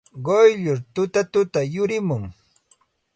Quyllur tutatuta yurimun.